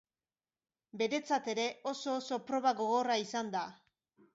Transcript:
Beretzat ere oso, oso proba gogorra izan da.